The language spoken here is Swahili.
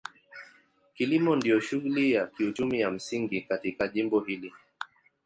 Kilimo ndio shughuli ya kiuchumi ya msingi katika jimbo hili.